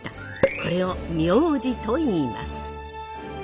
これを名字といいます。